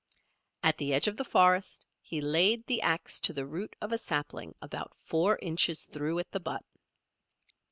At the edge of the forest he laid the axe to the root of a sapling about four inches through at the butt.